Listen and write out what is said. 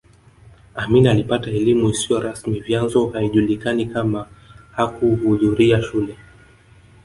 Amin alipata elimu isiyo rasmi vyanzo haijulikani kama hakuhudhuria shule